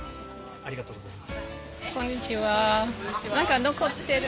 ありがとうございます。